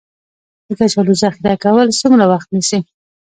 د کچالو ذخیره کول څومره وخت نیسي؟